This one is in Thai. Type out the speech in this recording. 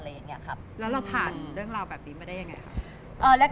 แล้วเราผ่านเรื่องราวแบบนี้มาได้ยังไงคะ